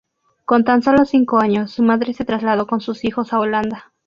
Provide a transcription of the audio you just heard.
Con tan solo cinco años, su madre se trasladó con sus hijos a Holanda.